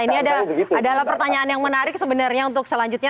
ini adalah pertanyaan yang menarik sebenarnya untuk selanjutnya